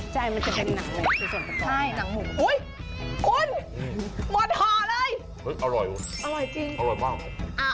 ใช่น้ำหมูอุ๊ยคุณหมดห่อเลยอร่อยอร่อยจริงอร่อยมาก